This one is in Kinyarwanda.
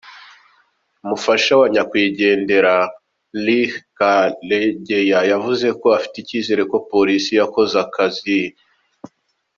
Umufasha wa nyakwigendera Leah Karegeya yavuzeko afite icyizero ko polisi yakoze umurimo mwiza.